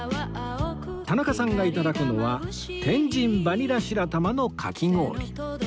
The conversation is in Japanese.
田中さんが頂くのは天神バニラ白玉のかき氷